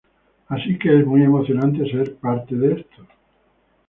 Así que es muy emocionante ser parte de esto".